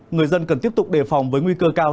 người dân cần tiếp tục đề phòng với nguy cơ cao